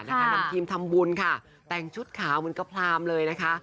นำทีมทำบุญค่ะแต่งชุดขาวเหมือนกระพรามเลยนะคะ